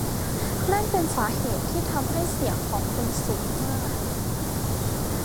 นั่นเป็นสาเหตุที่ทำให้เสียงของคุณสูงมาก